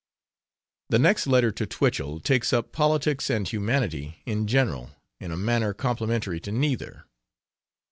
The next letter to Twichell takes up politics and humanity in general, in a manner complimentary to neither.